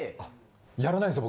やらないんですよ